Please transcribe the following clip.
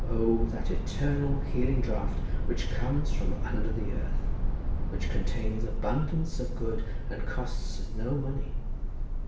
O, that eternal, healing draught, Which comes from under the earth, Which contains abundance of good And costs no money!"